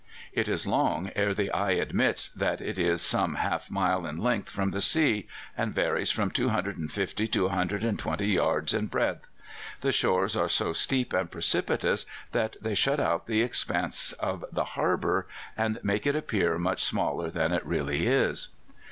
It is long ere the eye admits that it is some half mile in length from the sea, and varies from 250 to 120 yards in breadth. The shores are so steep and precipitous that they shut out the expanse of the harbour, and make it appear much smaller than it really is.